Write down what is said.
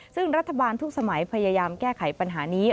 ซึ่งรัฐบาลทุกสมัยพยายามแก้ไขปัญหานี้